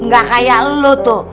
gak kayak lu tuh